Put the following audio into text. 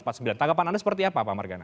tanggapan anda seperti apa pak margana